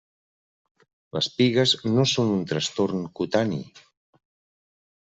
Les pigues no són un trastorn cutani.